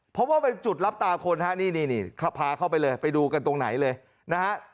เพราะว่าเป็นจุดรับตาคนฮะนี่นี่พาเข้าไปเลยไปดูกันตรงไหนเลยนะฮะ